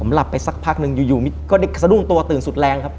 ผมหลับไปสักพักนึงเลยอยู่ก็ได้กลับสนุกตัวตื่นสุดแรงครับ